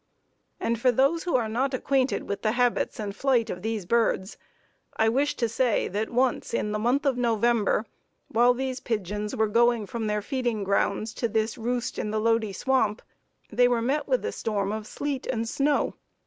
And for those who are not acquainted with the habits and flight of these birds, I wish to say that once in the month of November, while these pigeons were going from their feeding grounds to this roost in the Lodi Swamp, they were met with a storm of sleet and snow.